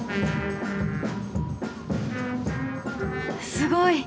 すごい！